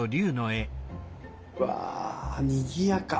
うわにぎやか！